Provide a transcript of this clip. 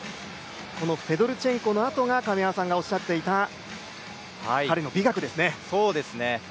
フェドルチェンコのあとが亀山さんが言っていた彼の美学ですね。